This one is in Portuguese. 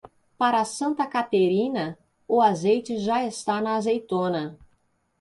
Para Santa Caterina, o azeite já está na azeitona.